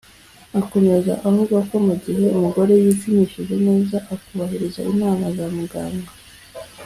Akomeza avuga ko mu gihe umugore yipimishije neza akubahiriza inama za Muganga